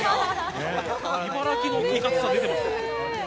茨城のいかつさ出てます。